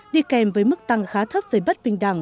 đi kèm với mức tăng khá thấp về bất bình đẳng